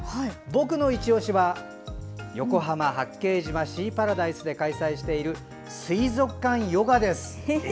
僕のいちオシは横浜八景島シーパラダイスで開催している水族館ヨガです。